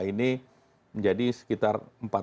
ini menjadi sekitar